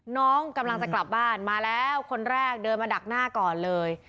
น้องกำลังจะกลับบ้านมาแล้วคนแรกเดินมาดักหน้าก่อนเลย